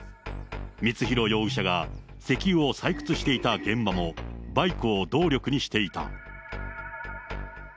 光弘容疑者が石油を採掘していた現場も、バイクを動力にしていた。